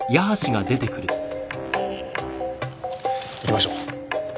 行きましょう。